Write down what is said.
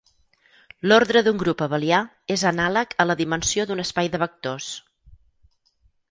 L'ordre d'un grup abelià és anàleg a la dimensió d'un espai de vectors.